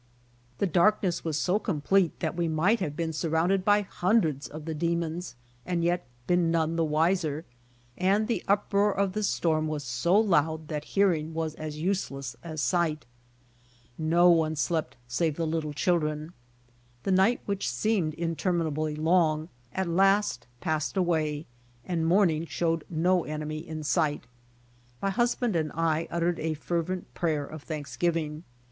The darkness was so complete that we might have been surrounded by hundreds of the demons and yet been none the W'iser, iand the uproar of the storm was so loud that hearing was as useless as sight. No one slept save the little children. The night which seemed interminably long at last passed away and morning showed no enemy in sight. ]\Iy husband and I uttered a fervent prayer of thanksgiving.